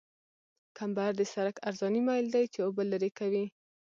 کمبر د سرک عرضاني میل دی چې اوبه لرې کوي